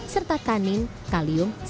serta kanin kalium dan vitamin a